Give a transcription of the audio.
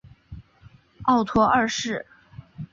奥托二世。